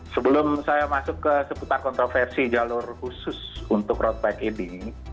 sebelum saya masuk ke seputar kontroversi jalur khusus untuk road bike ini